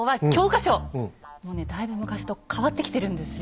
もうねだいぶ昔と変わってきてるんですよ。